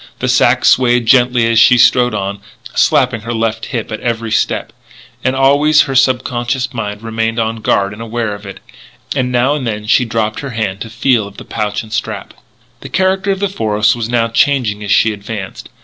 The sack swayed gently as she strode on, slapping her left hip at every step; and always her subconscious mind remained on guard and aware of it; and now and then she dropped her hand to feel of the pouch and strap. The character of the forest was now changing as she advanced.